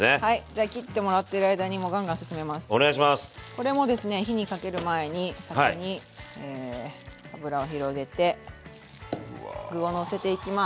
これもですね火にかける前に先に油を広げて具をのせていきます。